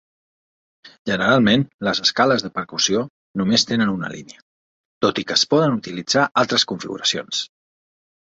Generalment, les escales de percussió només tenen una línia, tot i que es poden utilitzar altres configuracions.